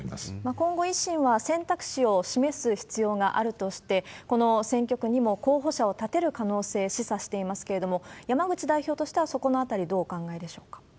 今後、維新は選択肢を示す必要があるとして、この選挙区にも候補者を立てる可能性、示唆していますけれども、山口代表としては、そこのあたり、どうお考えでしょうか。